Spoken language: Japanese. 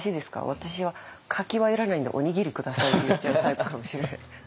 私は「柿はいらないんでおにぎり下さい」って言っちゃうタイプかもしれない。